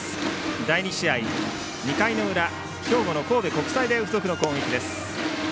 第２試合、２回の裏兵庫の神戸国際大付属の攻撃です。